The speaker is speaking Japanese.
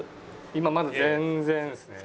今まだ全然ですね。